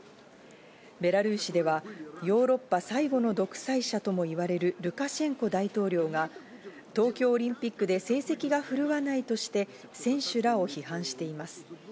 ベラルーシでは、ヨーロッパ最後の独裁者ともいわれるルカシェンコ大統領が東京オリンピックで成績が振るわないとして選手らを批判しています。